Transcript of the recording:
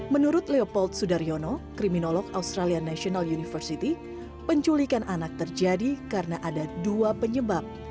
menurut leopold sudaryono kriminolog australian national university penculikan anak terjadi karena ada dua penyebab